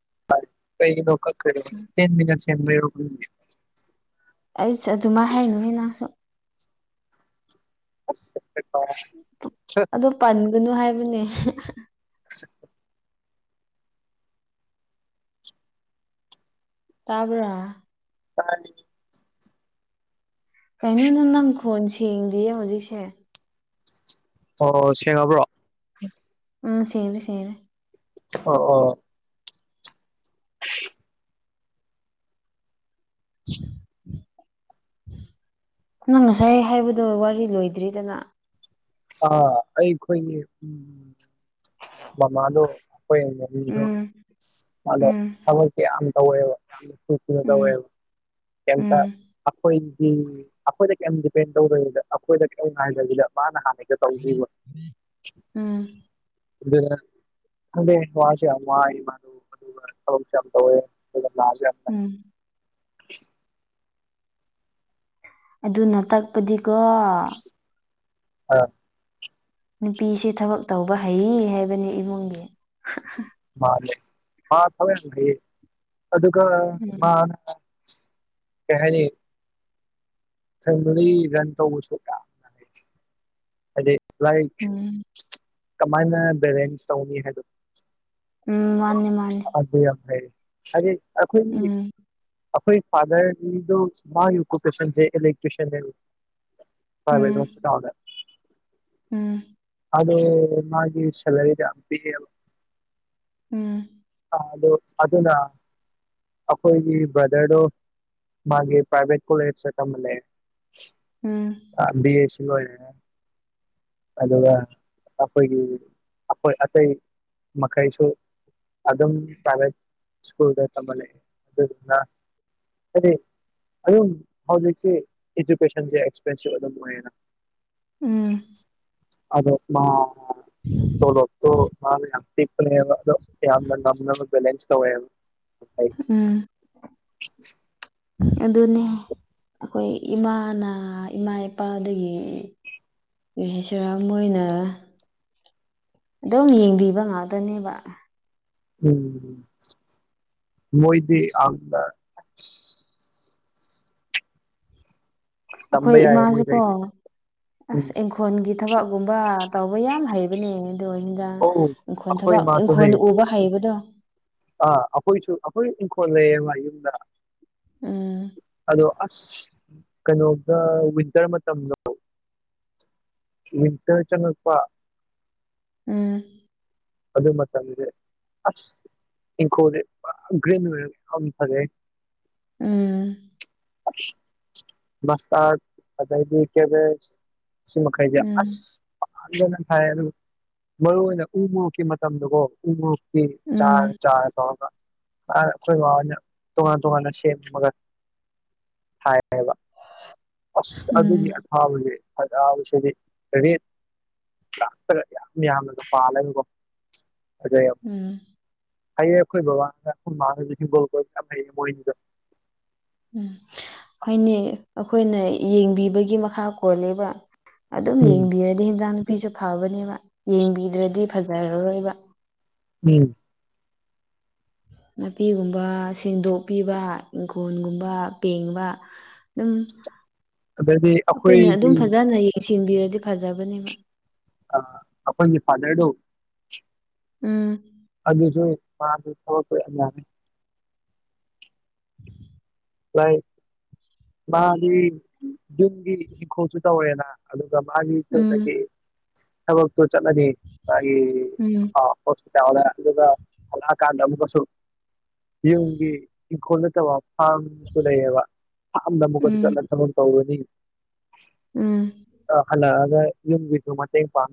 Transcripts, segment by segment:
[inaudible] ꯑꯩꯁ ꯑꯗꯨꯃꯥꯏ ꯍꯥꯏꯅꯨ ꯍ ꯅꯁꯨ ꯑꯁ ꯑꯗꯨ ꯄꯟꯒꯅꯨ ꯍꯥꯏꯕꯅꯦ [inaudible] ꯇꯥꯕ꯭ꯔ ꯄ [unintelligible] ꯀꯩꯅꯣ ꯅ ꯅꯪ ꯈꯣꯟ ꯁꯦꯡꯗꯤꯌꯦ ꯍꯧꯖꯤꯛꯁꯦ ꯑꯣ ꯁꯦꯡꯉꯕ꯭ꯔꯣ ꯎꯝ ꯁꯔꯦ ꯁꯦꯔ ꯑꯣ ꯑꯣ [inaudible] [inaudible] ꯅꯪ ꯉꯁꯥꯏ ꯍꯥꯏꯕꯗꯣ ꯋꯥꯔꯤ ꯂꯣꯏꯗ꯭ꯔꯤꯗꯅ ꯑꯥ ꯑꯩꯈꯣꯏ ꯎ ꯃꯃꯂꯣ ꯑꯩꯈꯣꯏ ꯌꯦꯡꯕ ꯃꯤꯗꯣ ꯎꯝ ꯑꯗꯣ ꯎꯝ ꯊꯕ ꯀ ꯌꯥꯝ ꯇꯧꯋꯦꯕ ꯎꯝ ꯌꯥꯝ ꯇ ꯎꯝ ꯀꯇ ꯑꯣꯏ ꯑꯩꯈꯣꯏꯗ ꯀꯩꯝ ꯗꯤꯄꯦꯟ ꯇꯧꯔꯔꯤꯦꯗ ꯑꯩꯈꯣꯏꯗ ꯀꯩ ꯉ ꯍꯥꯏꯦꯗ ꯃꯥꯅ ꯍꯥꯟꯅ ꯍꯦꯛꯇ ꯇꯧꯒꯤꯕ ꯑꯝ ꯑꯗꯨ ꯑꯗꯦ ꯋꯥ ꯋꯥ [inaudible] [inaudible] ꯎꯝ [inaudible] ꯑꯗꯨꯅ ꯇꯛꯄꯗꯤꯀꯣ ꯑ [inaudible] ꯅꯨꯄꯤꯁꯤ ꯊꯕꯛ ꯇꯧꯕ ꯍꯩ ꯍꯥꯏꯕꯅꯤ ꯏꯃꯨꯡꯒꯤ ꯃꯥ ꯂꯩ ꯃꯥ ꯊꯋ [inaudible] ꯑꯗꯨꯒ ꯎꯝ ꯃꯥꯅ ꯀꯍꯅꯤ ꯐꯃꯔꯤ ꯔꯟ ꯇ ꯑꯣ ꯀ ꯂꯥꯏꯛ ꯎꯝ ꯀꯃꯥꯏꯅ ꯕꯦꯂꯦꯟꯁ ꯇꯧꯅꯤ ꯍꯥꯏꯗꯣ ꯎꯝ ꯃꯥꯅꯤꯅꯦ ꯃꯥꯅꯤ ꯍꯥꯏ ꯑꯩꯈꯣꯏ ꯑꯩꯈꯣꯏ ꯐꯥꯗꯔ ꯃꯥ ꯑꯣꯀꯨꯄꯦꯟꯁꯂꯔꯤ ꯎꯝ ꯐꯔꯁꯨ ꯇꯥꯎꯗ ꯎꯝ ꯑꯗꯦ ꯃꯥꯒꯤ ꯁꯂꯔꯤꯗꯝꯄꯤꯤ ꯎꯝ ꯣ ꯑꯗꯨꯅ ꯑꯩꯈꯣꯏꯒꯤ ꯕ꯭ꯔꯗꯔꯗꯣ ꯃꯥꯒꯤ ꯄ꯭ꯔꯥꯏꯚꯦꯠ ꯀꯣꯂꯦ ꯆꯀꯝꯕꯜꯅꯦ ꯎꯝ ꯑ ꯕꯤ ꯑꯦ ꯁꯤ ꯑꯣꯏ ꯑꯗꯨꯒ ꯑꯩꯈꯣꯏꯒꯤ ꯑꯇꯩ ꯃꯈꯩꯁꯨ ꯑꯗꯨꯝ ꯄ꯭ꯔꯥꯏꯚꯦꯠ ꯁ꯭ꯀꯨꯜꯗ ꯇꯝꯕꯅꯦꯦ ꯑꯗꯨ ꯑꯗꯨꯗꯤ ꯑꯗꯨꯝ ꯍꯧꯖꯤꯛꯁꯤ ꯏꯗꯨꯀꯦꯁꯟꯁꯦ ꯑꯦꯛꯁꯄꯦꯟꯁꯤꯞ ꯑꯗꯨꯝ ꯑꯣꯏꯌꯦꯅ ꯎꯝ ꯑꯗꯣ ꯃꯥ ꯂꯣ ꯃꯥꯦꯂꯁ ꯀꯧ ꯎꯝ ꯑꯗꯨꯅꯦ ꯑꯩꯈꯣꯏ ꯏꯃꯥꯅ ꯏꯃꯥ ꯏꯄꯥꯗꯒꯤ ꯦꯁꯔꯥꯝ ꯑꯣꯏꯅ ꯑꯗꯨꯝ ꯌꯦꯡꯕꯤꯕ ꯉꯥꯛꯇꯅꯦꯕ ꯎꯝ ꯃꯣꯏꯗꯤ ꯑꯗ ꯇꯝꯕ ꯑꯩꯈꯣꯏ ꯌꯥꯏꯌꯦ ꯏꯃꯥꯁꯤꯀꯣ ꯃꯣꯏꯗꯩ ꯎꯝ ꯑꯁ ꯏꯪꯈꯣꯜꯒꯤ ꯊꯕꯛꯒꯨꯝꯕ ꯇꯧꯕ ꯌꯥꯝ ꯍꯩꯕꯅꯦ ꯑꯗꯣ ꯍꯤꯟꯗꯥꯛ ꯑꯧ ꯏꯪꯈꯣꯜ ꯑꯩꯈꯣꯏ ꯊꯕꯛ ꯏꯃꯥꯁꯨ ꯏꯪꯈꯣꯜ ꯍꯩ ꯎꯕ ꯍꯩꯕꯗꯣ ꯑꯥ ꯑꯩꯈꯣꯏꯁꯨ ꯑꯩꯈꯣꯏ ꯈꯣꯂꯦꯃ ꯌꯨꯝꯗ ꯎꯝ ꯑꯗꯣ ꯑꯁ ꯀꯩꯅꯣꯒ ꯋꯤꯟꯇꯔ ꯃꯇꯝꯗꯣ ꯏꯇ ꯆꯅꯄꯥ ꯎꯝ ꯑꯗꯨꯗ ꯃꯆꯥꯦ ꯑ ꯏꯦꯦ ꯐꯔꯦ ꯎꯝ ꯃꯁ ꯑ ꯀꯦ ꯁꯤ ꯃꯈꯩꯁ ꯎꯝ ꯑꯁ ꯄꯅ ꯊ ꯃꯔꯨꯑꯣꯅ ꯎꯕ ꯀꯤ ꯃꯇꯝꯣ ꯎꯀꯤ ꯆꯥ ꯎꯝ ꯆꯥ ꯑꯥ ꯑꯩꯣꯏ ꯑ ꯇꯣꯉꯅ ꯇꯣꯉꯅꯁꯦ ꯃꯒꯔ ꯍꯥꯏꯕ ꯑꯁ ꯑꯗꯨꯒꯤ ꯎꯝ ꯑꯊꯥꯕꯁꯦ ꯕꯁꯤꯗꯤ ꯍꯥꯏꯗꯤ ꯂꯥꯛꯇꯒ ꯌꯥꯝ ꯌꯥꯝꯅꯒ ꯄꯥꯜꯂꯅꯤꯀꯣ ꯑꯗ ꯎꯝ ꯍꯥꯏꯌꯦꯦ ꯈꯣꯏ ꯕꯥ ꯃꯥꯒꯣꯜ ꯀꯣ ꯀ ꯍ ꯃꯣꯏꯅꯤꯖ ꯎꯝ ꯍꯥꯏꯅꯤ ꯑꯩꯈꯣꯏꯅ ꯌꯦꯡꯕꯤꯕꯒꯤ ꯃꯈꯥ ꯀꯣꯂꯦꯕ ꯑꯗꯨꯝ ꯎꯝ ꯌꯦꯡꯕꯤꯔꯗꯤ ꯍꯟꯖꯥꯡ ꯅꯨꯄꯤꯁꯨ ꯐꯕꯅꯦꯕ ꯌꯦꯡꯕꯤꯗ꯭ꯔꯗꯤ ꯐꯖꯔ ꯑꯣꯏꯕ ꯎꯝ ꯎ ꯅꯥꯄꯤꯒꯨꯝꯕ ꯁꯦꯡꯗꯣꯛꯄꯤꯕ ꯏꯪꯈꯣꯜꯒꯨꯝꯕ ꯄꯦꯡꯕ ꯑꯗꯨꯝ ꯑꯗꯩꯗꯤ ꯑꯩꯈꯣꯏꯅ ꯑꯗꯨꯝ ꯑꯩꯈꯣꯏꯒꯤ ꯐꯖꯅ ꯌꯦꯡꯁꯤꯟꯕꯤꯔꯗꯤ ꯐꯖꯕꯅꯦꯕ ꯑ ꯑ ꯏ ꯐꯗꯔꯗ ꯎꯝ ꯑꯗꯨꯖꯤꯁꯨꯣꯏ ꯃꯥ ꯈꯕꯔ ꯄ ꯑ ꯂꯥꯏꯛ ꯃꯥꯗꯤ ꯌꯟꯒꯤ ꯍꯤꯡꯈꯣꯜꯁꯨ ꯇꯧꯋꯦꯅ ꯑꯗꯨ ꯃꯥꯒꯤ ꯎꯝ ꯅꯗꯒꯤꯣ ꯆꯒꯅꯤ ꯎꯝ ꯃꯥ ꯆꯥꯎ ꯐ ꯀꯥꯟꯗꯕꯁꯨ ꯌꯨꯝꯒꯤ ꯏꯪꯈꯣꯜ ꯅꯠꯇꯕ ꯐꯥꯝ ꯗꯑꯕ ꯅꯝꯕ ꯀꯣꯗꯤ ꯎꯝ ꯆꯅ ꯇꯣ ꯇ ꯍꯣꯏꯅꯤ ꯎꯝ ꯑ ꯍꯜꯂ ꯑꯗ ꯌꯦ ꯃ ꯄꯥꯝ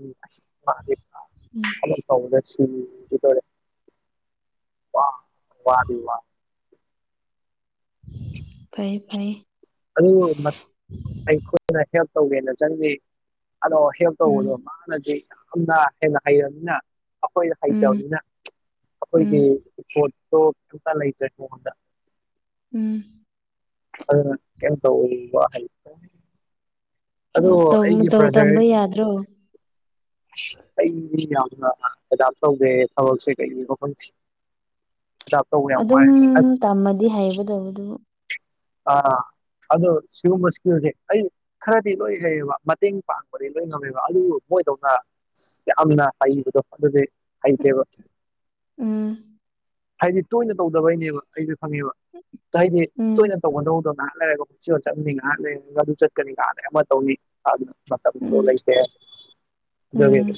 ꯎꯝ ꯀꯗꯁꯤꯇꯥꯔꯦ ꯋꯥ ꯋꯥꯗꯤ ꯋꯥ ꯐꯌꯦ ꯐꯥꯏꯌꯦ ꯑꯗꯨ ꯑꯩꯈꯣꯏꯅ ꯍꯦꯜꯞ ꯇꯧꯒꯦꯅ ꯆꯪꯒ ꯑꯗꯣ ꯍꯦꯜꯞ ꯇꯧꯕꯗꯣ ꯎꯝ ꯃꯥꯅꯗꯤ ꯌꯥꯝꯅ ꯍꯦꯟꯅ ꯍꯩꯔꯕꯅꯤꯅ ꯑꯩꯈꯣꯏ ꯎꯝ ꯍꯩꯇꯕꯅꯤꯅ ꯎꯝ ꯑꯩꯈꯣꯏꯒꯤꯣꯠ ꯀꯨ ꯀ ꯂ ꯆꯗ ꯎꯝ ꯀ ꯇꯧ ꯋꯥ ꯍꯥꯏ ꯑꯗꯣ ꯇꯧ ꯑꯩꯒꯤ ꯃꯇꯧ ꯕ꯭ꯔꯗꯔ ꯇꯝꯕ ꯌꯥꯗ꯭ꯔꯣ ꯀꯅꯤ ꯌꯥꯝꯅ ꯍꯦꯖ ꯇꯧꯒꯦ ꯊꯕꯛꯁꯦ ꯀꯩ ꯃꯈꯐꯝ ꯑꯗꯨꯝ ꯇꯝꯃꯗꯤ ꯍꯩꯕ ꯇꯧꯕꯗꯨ ꯑꯥ ꯑꯗꯣ ꯁꯤꯒꯨꯝꯕ ꯏꯁ꯭ꯀꯤꯜꯁꯦ ꯑꯩ ꯈꯔꯗꯤ ꯂꯣꯏ ꯍꯩꯌꯦꯕ ꯃꯇꯦꯡ ꯄꯥꯡꯕꯗꯤ ꯂꯣꯏ ꯉꯝꯃꯦꯕ ꯑꯗꯨꯕꯨ ꯊꯃꯣꯏꯗꯧꯅ ꯌꯥꯝꯅ ꯍꯩꯕꯗꯣ ꯑꯗꯨꯗꯤ ꯍꯩꯇꯦꯕ ꯎꯝ ꯍꯥꯏꯗꯤ ꯇꯣꯏꯅ ꯇꯧꯗꯕꯩꯅꯦꯕ ꯑꯩꯁꯨ ꯈꯪꯉꯦꯕ ꯍꯥꯏꯗꯤ ꯎꯝ ꯇꯣꯏꯅ ꯇꯧꯒꯗꯧꯗꯅ ꯂꯩꯔꯒ ꯄꯨꯟ ꯆꯠꯅꯤ ꯉꯥꯗ ꯑꯗꯨ ꯆꯠꯀꯅꯤ ꯉꯥꯔꯦ ꯑꯃ ꯇꯧꯅꯤ ꯑꯗꯨꯅ ꯃ ꯐ ꯎꯝ ꯂꯩꯇꯦ ꯎꯝ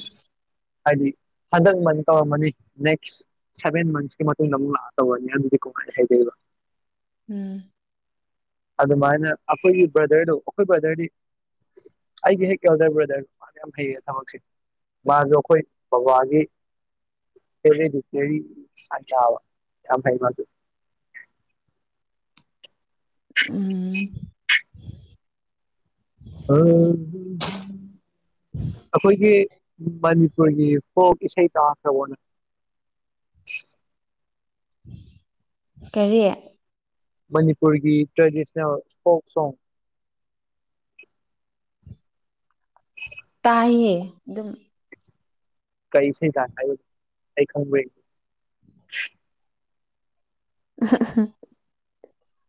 ꯍꯥꯏꯗꯤ ꯍꯟꯗꯛ ꯃꯅꯤ ꯇꯧꯔꯝꯃꯅꯤ ꯅꯦꯛꯁ ꯁꯚꯦꯟ ꯃꯟꯁꯀꯤ ꯃꯇꯨꯡꯗ ꯑꯃꯨꯛ ꯂꯥꯛꯑ ꯇꯧꯔꯅꯤ ꯑꯗꯨꯗꯤꯀꯣ ꯈ ꯍꯥꯏꯔꯔꯤꯕ ꯎꯝ ꯑꯗꯨꯃꯥꯏꯅ ꯑꯩꯈꯣꯏꯒꯤ ꯕ꯭ꯔꯗꯔꯗꯨꯣ ꯑꯩꯈꯣꯏ ꯕ꯭ꯔꯗꯔꯗꯤ ꯑꯩꯒꯤ ꯍꯦꯛ ꯀꯗꯔ ꯕ꯭ꯔꯗꯔ ꯃꯥꯅ ꯌꯥꯝ ꯐꯩꯌꯦ ꯊꯕꯛꯁ ꯃꯥꯁꯨꯣ ꯑꯩꯈꯣꯏ ꯕꯕꯥꯒꯤ ꯗꯤ ꯑ ꯌꯥꯝ ꯐꯥꯏ ꯃꯥꯗꯨ ꯎꯝ ꯑꯩꯈꯣꯏꯒꯤ ꯃꯅꯤꯄꯨꯔꯒꯤ ꯐ ꯏꯁꯩ ꯇꯈꯅ ꯀꯔꯤꯠ ꯃꯅꯤꯄꯨꯔꯒꯤ ꯇ꯭ꯔꯦꯗꯤꯁꯅꯦꯜ ꯐꯣꯛꯣꯛ ꯁꯣꯡ ꯇꯥꯏꯌꯦꯦ ꯀꯩꯁ ꯀ ꯑꯩ ꯈꯪ ꯎ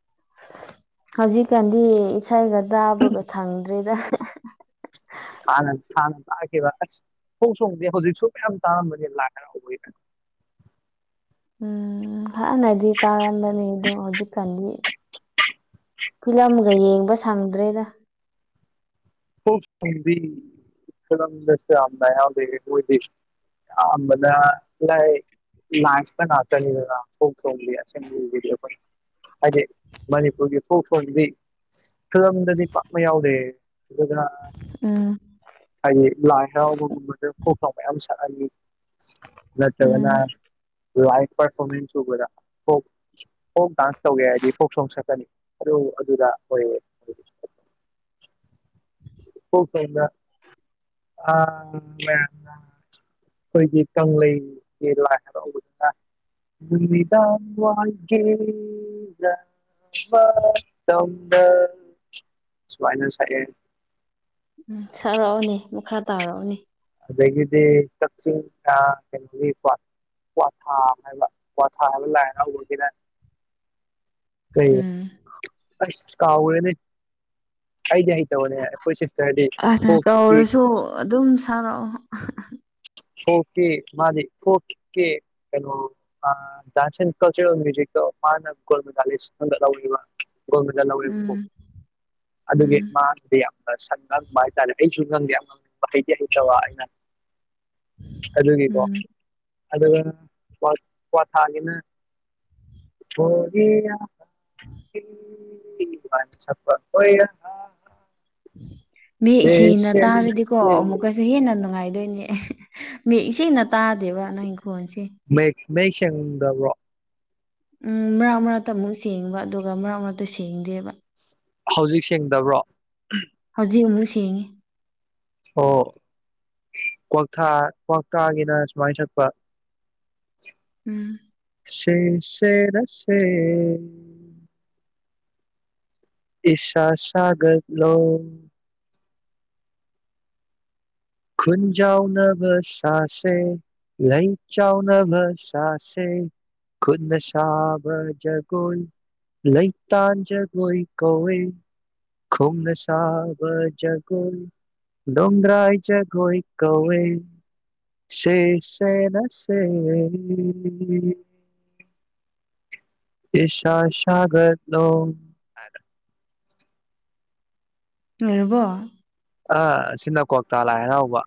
[unintelligible] ꯍꯧꯖꯤꯛꯀꯥꯟꯗꯤ ꯏꯁꯩꯒ ꯇꯥꯕꯒ ꯁꯪꯗ꯭ꯔꯤꯗ ꯍꯅ ꯍꯅ ꯇꯥꯛꯈꯤꯕ ꯑꯁ ꯈꯣꯡ ꯁꯣꯡꯗꯦ ꯍꯧꯖꯤꯛꯁꯨ ꯃꯌꯥꯝ ꯇꯥꯔꯝꯕꯅꯦ ꯂꯥꯛ꯭ꯔꯔ ꯎꯝ ꯍꯥꯟꯅꯗꯤ ꯇꯥꯔꯝꯕꯅꯤ ꯑꯗꯣ ꯍꯧꯖꯤꯛꯀꯥꯟꯗꯤ ꯐꯤꯂꯝꯒ ꯌꯦꯡꯕ ꯊꯪꯗ꯭ꯔꯦꯗ ꯐꯁ ꯌꯥꯝꯗ ꯑꯝꯕꯗ ꯀꯏ ꯂꯥꯟꯁ ꯍꯥ ꯆ ꯐꯨ ꯁꯣ ꯆꯗꯤꯑꯣ ꯑꯗꯨꯦ ꯃꯅꯤꯄꯨꯔꯒꯤ ꯐꯣ ꯐꯗꯤ ꯐꯤꯂꯝꯗꯗꯤ ꯄꯥꯛꯄ ꯌꯥꯎꯗꯦ ꯑꯗꯨ ꯎꯝ ꯍꯥꯏ ꯂꯥꯏꯥꯎ ꯄꯒ꯭ꯔꯥꯎ ꯃꯌꯥꯝ ꯆꯅꯤ ꯅꯠꯇꯕꯅ ꯎꯝ ꯂꯥꯏꯚ ꯄꯔꯐꯣꯔꯃꯦꯟꯁ ꯎꯕꯗ ꯐ ꯐꯣꯛ ꯗꯥꯟꯁ ꯇꯧꯒꯦ ꯍꯥꯏꯔꯗꯤ ꯐꯣꯛ ꯁꯣꯡ ꯁꯛꯀꯅꯤ ꯑꯗꯨ ꯑꯗꯨꯗ ꯑꯣꯏꯌꯦ ꯑꯗꯨ [unintelligible] [inaudible] ꯄꯁ ꯑ ꯑꯩꯈꯣꯏꯒꯤ ꯀꯪꯂꯩꯒꯤ ꯂ ꯍꯥꯏꯔ ꯅꯨꯃꯤꯗꯥ ꯋꯥꯒꯦꯒ ꯁꯋꯥꯏꯅ ꯁꯔ ꯎꯝ ꯁꯥꯔꯛꯎꯅꯤ ꯃꯈꯥ ꯇꯥꯔꯛꯎꯅꯤ ꯑꯗꯒꯤꯗꯤ ꯀꯛꯆꯤꯡ ꯀꯩꯅꯣꯒꯤ ꯀ ꯀ꯭ꯋꯥꯊꯥ ꯍꯥꯏꯕ ꯊꯜꯅ ꯂꯥꯏꯔ ꯍꯒꯔ ꯎꯝ ꯁ ꯀꯥꯦꯅꯦ ꯍꯥꯏꯗꯤ ꯅꯦ ꯑꯩ ꯄꯣꯏ ꯁꯤꯁ ꯍꯥꯏꯗꯤ ꯑꯗ ꯍ ꯀꯧꯔꯁꯨ ꯑꯗꯨꯝ ꯁꯥꯔꯛꯑꯣ ꯑꯣꯀꯦ ꯃꯥꯗꯤ ꯑꯣꯀꯦ ꯀꯩꯅꯩꯅꯣ ꯁꯟ ꯀꯜꯆꯔ ꯃꯥꯅꯒꯣꯃꯤ ꯌꯣꯟꯕꯗ ꯂꯧꯋꯦꯕꯀꯣ ꯎꯝ ꯑꯗꯨꯒꯤ ꯎꯝ ꯃꯥꯡꯗꯨꯗꯤ ꯌꯥꯝ ꯁ ꯍꯥꯏꯇꯥꯔꯦ ꯑꯩꯁꯨꯨ ꯅ ꯌꯥꯝꯗꯤ ꯑꯩꯅ ꯍꯂꯨꯒꯤꯀꯣ ꯎꯝ ꯑꯗꯨꯒ ꯀ꯭ꯋꯥꯊꯥꯒꯤꯅ ꯍ ꯋꯥꯄ ꯑꯣꯏꯔ ꯃ ꯏꯁꯩꯅ ꯇꯥꯔꯗꯤꯀꯣ ꯑꯃꯨꯛꯀꯁꯨ ꯍꯦꯟꯅ ꯅꯨꯡꯉꯥꯏꯗꯣꯏꯅꯦ ꯁꯤꯅ ꯇꯥꯗꯦꯕ ꯅꯪꯪꯈꯣꯟꯣꯟꯁꯦ ꯃꯩ ꯁꯪꯗꯕ꯭ꯔꯣ ꯎꯝ ꯃꯔꯛ ꯃꯔꯛꯇ ꯑꯃꯨꯛ ꯁꯦꯡꯕ ꯑꯗꯨꯒ ꯃꯔꯛ ꯃꯔꯛꯇ ꯁꯦꯡꯗꯦꯕ ꯍꯧꯖꯤꯛ ꯁꯦꯡꯗꯕ꯭ꯔꯣ ꯍꯧꯖꯤꯛ ꯑꯃꯨꯛ ꯁꯦꯡꯉꯤ ꯑꯣ ꯀ꯭ꯋꯥꯛꯊ ꯀ꯭ꯋꯥꯛꯇꯥꯒꯤꯅ ꯁꯨꯃꯥꯏꯅ ꯁꯠꯄ ꯎꯝ ꯁꯦ ꯁꯦ ꯔꯁꯦ ꯏꯁꯥ ꯁꯒꯠꯂꯣ ꯈꯨꯨꯟꯖꯥꯎ ꯅꯕꯁꯥꯁꯦ ꯂꯩ ꯆꯥꯎꯅꯕꯁꯥꯁꯦ ꯈꯨꯅꯁꯥꯕꯖꯒꯨꯟ ꯂꯩꯩꯇꯥꯖꯒꯣꯏ ꯀꯧꯋꯦ ꯈꯨꯨꯝ ꯁꯥꯕꯖꯒ ꯗꯣꯝꯗ꯭ꯔꯥꯏ ꯆ ꯀꯣꯏ ꯀꯧꯋꯦ ꯁꯦꯁꯦꯔ ꯁꯦꯅꯤ ꯁꯁꯒꯔ ꯅꯣ ꯔꯔꯕꯣ ꯑ ꯁꯤꯅ ꯀ꯭ꯋꯇꯥ ꯂꯥꯏ ꯍꯔꯥꯎꯕ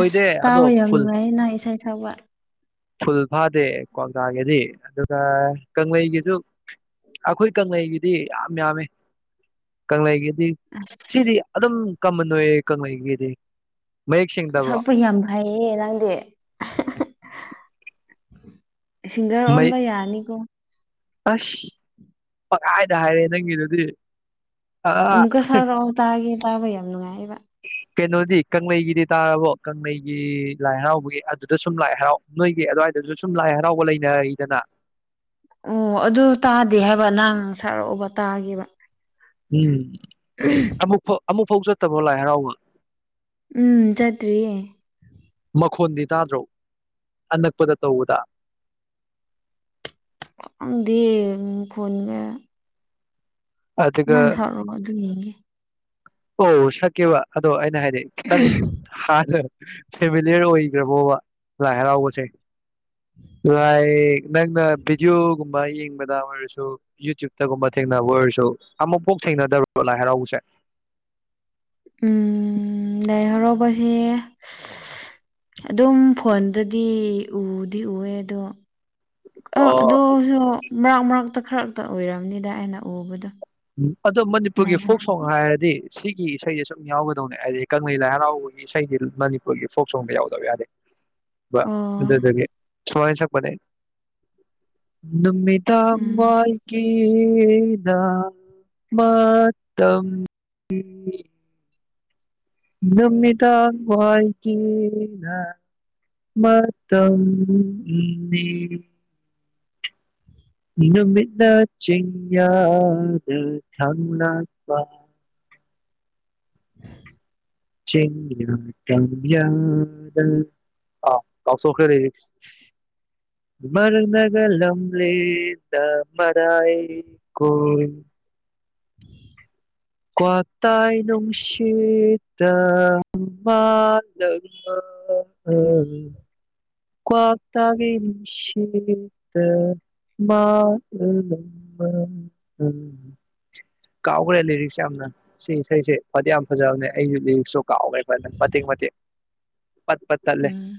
ꯑꯁ ꯑꯗꯣ ꯇꯥꯕ ꯌꯥꯝ ꯐꯨꯜ ꯅꯨꯡꯉꯥꯏ ꯅꯍ ꯏꯁꯥ ꯁꯥꯕ ꯐꯨꯜ ꯐꯥꯗꯦ ꯀ꯭ꯒꯥꯥꯒꯤꯗꯤ ꯑꯗꯨꯒ ꯀꯪꯂꯩꯒꯤꯁꯨ ꯑꯩꯈꯣꯏ ꯀꯪꯂꯩꯒꯤꯗꯤ ꯌꯥꯝ ꯌꯥꯝꯃꯤ ꯀꯪꯂꯩꯒꯤ ꯑꯁ ꯁꯤꯗꯤ ꯑꯗꯨꯝ ꯀꯃꯟ ꯑꯣꯏꯌꯦ ꯀꯩꯅꯣꯒꯤꯗꯤ ꯁꯛꯄ ꯌꯥꯝ ꯐꯩꯌꯦ ꯅꯪꯗꯤ ꯁꯤꯡꯒꯔ ꯃꯩ ꯑꯣꯟꯕ ꯌꯥꯅꯤꯀꯣ ꯑꯁ ꯀꯗꯥꯥꯏꯗ ꯍꯥꯏꯔꯦ ꯅꯪꯒꯤꯗꯨꯗꯤ ꯑꯥ ꯑꯃꯨꯛꯀ ꯁꯥꯔꯛꯑꯣ ꯇꯥꯒꯦ ꯇꯥꯕ ꯌꯥꯝ ꯅꯨꯡꯉꯥꯏꯕ ꯀꯩꯅꯣꯗꯤ ꯀꯪꯂꯩꯒꯤꯗꯤ ꯇꯥꯔꯕꯣ ꯀꯪꯂꯩꯒꯤ ꯂꯥꯏ ꯍꯔꯥꯎꯕꯒꯤ ꯑꯗꯨꯗ ꯁꯨꯝ ꯂꯥꯏ ꯍꯔꯥꯎ ꯅꯣꯏꯒꯤ ꯑꯗꯨꯋꯥꯏꯗ ꯑꯗꯨꯁꯨ ꯁꯨꯝ ꯂꯥꯏ ꯍꯔꯥꯎꯕ ꯂꯩꯅꯩꯗꯅ ꯑꯣ ꯑꯗꯨ ꯇꯥꯗꯦ ꯍꯥꯏꯕ ꯅꯍꯥꯡ ꯁꯥꯔꯛꯎꯕ ꯇꯥꯒꯦꯕ ꯎꯝ ꯎ ꯑꯃꯨꯛ ꯐꯥꯎ ꯆꯠꯇꯕ꯭ꯔꯣ ꯂꯥꯏ ꯍꯔꯥꯎꯕ ꯎꯝ ꯆꯇ꯭ꯔꯤꯌꯦ ꯃꯈꯣꯟꯗꯤ ꯇꯥꯗ꯭ꯔꯣ ꯑꯅꯛꯄꯗ ꯇꯧꯕꯗ ꯪꯗꯤ ꯎ ꯐꯣꯟꯣꯟꯒ ꯑꯗꯨꯒ ꯅꯪ ꯁꯥꯔ ꯑꯗꯨ ꯑꯣ ꯁꯛꯀꯦꯕ ꯑꯗꯣ ꯑꯩꯅ ꯍꯥꯏꯗꯤ ꯈꯤꯇꯪ ꯍꯅ ꯐꯦꯃꯤꯂꯤꯌꯔ ꯑꯣꯏꯈ꯭ꯔꯕꯣꯕ ꯂꯥꯏ ꯍꯔꯥꯎꯕꯁꯦ ꯂꯥꯏ ꯅꯪꯅ ꯚꯤꯗꯤꯑꯣꯣꯒꯨꯝꯕ ꯌꯦꯡꯕꯗ ꯑꯣꯏꯔꯁꯨ ꯌꯨꯇ꯭ꯌꯨꯕꯇꯒꯨꯝꯕ ꯊꯦꯡꯅꯕ ꯑꯣꯏꯔꯁꯨ ꯑꯃꯨꯛ ꯁꯦꯡꯅꯗꯔꯕ ꯂꯥꯏ ꯍꯔꯥꯎꯕꯁꯦ ꯎꯝ ꯗꯏꯍꯔ ꯄꯁꯤ ꯑꯗꯨꯝ ꯐꯣꯟꯗꯗꯤ ꯎꯗꯤ ꯎꯑꯦ ꯑꯗꯣ ꯑ ꯑꯣ ꯑꯗꯨꯁꯨ ꯃꯔꯛ ꯃꯔꯛꯇ ꯈꯔꯛꯇ ꯑꯣꯏꯔꯝꯅꯤꯗ ꯑꯩꯅ ꯎꯕꯗꯣ ꯎꯝ ꯑꯗꯣ ꯃꯅꯤꯄꯨꯔꯒꯤ ꯂꯥꯏ ꯐꯣꯛ ꯁꯣꯡ ꯍꯔꯥꯎꯕ ꯍꯥꯏꯔꯗꯤ ꯁꯤꯒꯤ ꯏꯁꯩꯁꯦ ꯁꯨꯝ ꯌꯥꯎꯒꯗꯧꯅꯦ ꯍꯥꯏꯗꯤ ꯀꯪꯂꯩ ꯂꯥꯏ ꯍꯔꯥꯎꯕꯒꯤ ꯏꯁꯩꯗꯤ ꯃꯅꯤꯄꯨꯔꯒꯤ ꯐꯣꯛ ꯁꯣꯡꯗ ꯌꯥꯎꯗꯕ ꯌꯥꯗꯦ ꯑꯣ ꯑꯗꯨꯗꯒꯤ ꯁꯋꯥꯏꯅ ꯁꯛꯄꯅꯦ ꯅꯨꯃꯤꯠ ꯇ ꯎꯝ ꯋꯥꯏ ꯀꯗ ꯃꯥ ꯃꯇꯝꯝ ꯑꯗꯨꯝꯃꯤ ꯇ ꯍ ꯀ ꯃ ꯎ ꯃꯤꯅꯃꯤꯗ ꯆꯤꯡꯌꯥ ꯊꯝꯅ [unintelligible] ꯆ ꯀꯗ ꯑꯥ ꯇꯥꯎ ꯁꯣꯈꯩ ꯒ ꯂꯝꯂꯤ ꯇꯥꯏ ꯀꯣ [unintelligible] ꯀ꯭ꯋꯥ ꯇꯥꯏꯅꯅꯨꯡꯁꯤꯦ ꯇ ꯃꯥꯂꯃ ꯎ ꯀꯥꯛꯇꯥꯒꯤꯠꯇ ꯎ ꯎ ꯀꯥꯎꯈ꯭ꯔꯦ ꯂꯤꯔꯤꯛꯁ ꯌꯥꯝꯅ ꯁꯤ ꯏꯁꯩꯁꯦ ꯈ꯭ꯋꯥꯗꯤ ꯌꯥꯝ ꯐꯖꯕꯅꯦ ꯑꯩꯁꯨ ꯂꯤꯔꯤꯛꯁꯁꯨ ꯀꯥꯎ ꯅ ꯊꯦꯡ ꯃ ꯎꯝ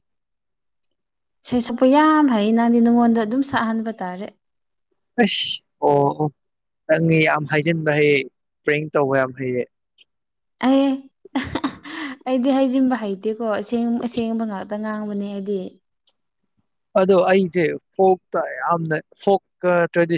ꯁꯤꯦꯁꯄꯌꯥ ꯐꯩ ꯅꯪꯗꯤ ꯅꯉꯣꯟꯗ ꯑꯗꯨꯝ ꯁꯥꯛꯍꯟꯕ ꯇꯥꯔꯦ ꯐꯁ ꯑꯣ ꯅꯪꯉ ꯌꯥꯝ ꯍꯥꯏꯖꯤꯟꯕ ꯍꯩꯌꯦ ꯄ꯭ꯔꯦꯡ ꯇꯧꯕ ꯌꯥꯝ ꯍꯩꯌꯦ ꯑꯩ ꯑꯩꯗꯤ ꯍꯩꯖꯤꯟꯕ ꯍꯩꯇꯦꯀꯣꯁ ꯑꯁꯦꯡꯕ ꯉꯥꯛꯇ ꯉꯥꯡꯕꯅꯦ ꯑꯩꯗꯤ ꯑꯗꯣ ꯑꯩꯁꯦ ꯐꯣꯛꯇ ꯌꯥꯝꯅ ꯐꯣꯛ ꯇ꯭ꯔꯦꯗꯤꯁꯟ